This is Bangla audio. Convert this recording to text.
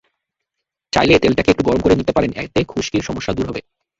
চাইলে তেলটাকে একটু গরম করে নিতে পারেন, এতে খুশকির সমস্যা দূর হবে।